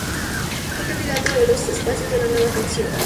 Fue candidato en los espacios de la Nueva Canción.